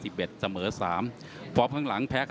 ส่วนฟายน้ำเงินฯภาษาคนภาษาสำหรับฉลาด